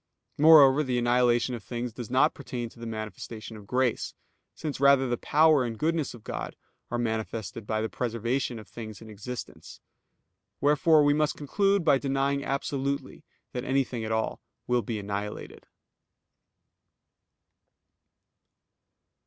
Moreover, the annihilation of things does not pertain to the manifestation of grace; since rather the power and goodness of God are manifested by the preservation of things in existence. Wherefore we must conclude by denying absolutely that anything at all will be annihilated.